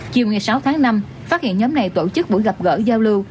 chiều ngày sáu tháng năm phát hiện nhóm này tổ chức buổi gặp gỡ giao lưu